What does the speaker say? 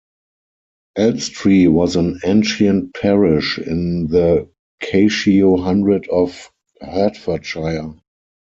Elstree was an ancient parish in the Cashio Hundred of Hertfordshire.